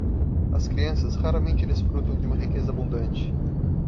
As crianças raramente desfrutam de uma riqueza abundante.